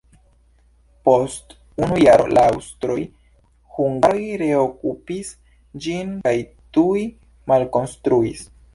Post unu jaro la aŭstroj-hungaroj reokupis ĝin kaj tuj malkonstruis.